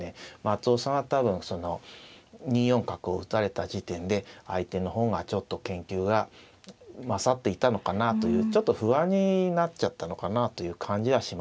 松尾さんは多分その２四角を打たれた時点で相手の方がちょっと研究が勝っていたのかなというちょっと不安になっちゃったのかなという感じはします。